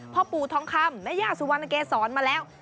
พ่อปูทองคำไม่อ่ากสู่วัลโนรักษสอนมาแล้ว